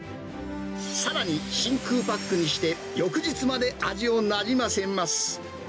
さらに真空パックにして、翌日まで味をなじませます。